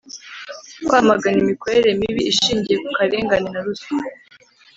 kwamagana imikorere mibi ishingiye ku karengane na ruswa.